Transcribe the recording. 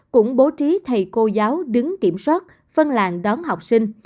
cũng bố trí thầy cô giáo đứng kiểm soát phân làng đón học sinh